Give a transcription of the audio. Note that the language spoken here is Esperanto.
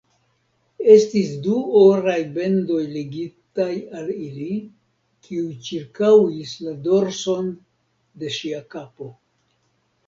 Estis du oraj bendoj ligitaj al ili, kiuj ĉirkaŭis la dorson de ŝia kapo.